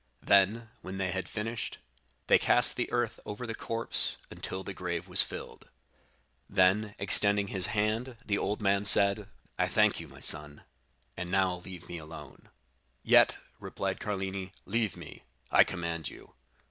Then, when they had finished, they cast the earth over the corpse, until the grave was filled. Then, extending his hand, the old man said; 'I thank you, my son; and now leave me alone.' "'Yet——' replied Carlini. "'Leave me, I command you.